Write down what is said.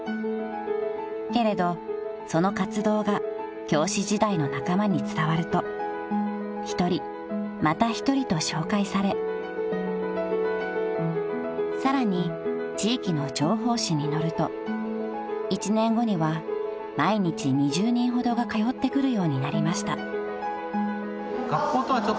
［けれどその活動が教師時代の仲間に伝わると１人また１人と紹介されさらに地域の情報紙に載ると１年後には毎日２０人ほどが通ってくるようになりました］